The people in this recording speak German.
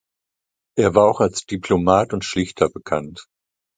Er war auch als Diplomat und Schlichter bekannt.